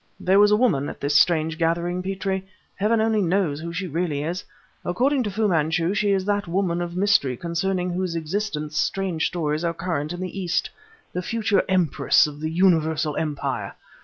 "There was a woman at this strange gathering, Petrie. Heaven only knows who she really is. According to Fu Manchu she is that woman of mystery concerning whose existence strange stories are current in the East; the future Empress of a universal empire!